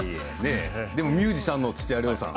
でも、ミュージシャンの土屋礼央さん